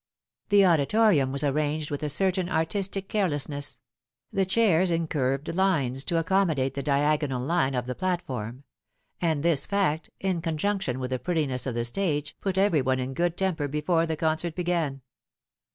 The auditorium was arranged with a certain artistic careless ness: the chairs in curved lines to accommodate the diagonal line of the platform ; and this fact, in conjunction with the pretti ness of the stage, put every one in good temper before the concert began.